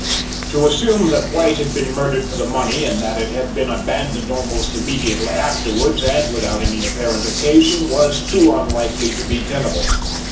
To assume that White had been murdered for the money and that it had been abandoned almost immediately afterwards and without any apparent occasion, was too unlikely to be tenable.